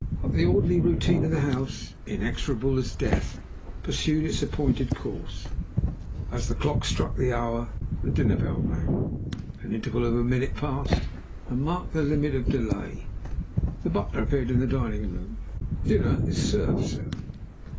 But the orderly routine of the house inexorable as death pursued its appointed course. As the clock struck the hour the dinner bell rang. An interval of a minute passed, and marked the limit of delay. The butler appeared at the dining room door. "Dinner is served, sir."